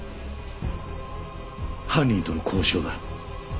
犯人との交渉だ。